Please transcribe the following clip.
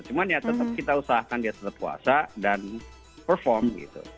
cuman ya tetap kita usahakan dia tetap puasa dan perform gitu